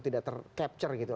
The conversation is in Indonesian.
tidak tercapture gitu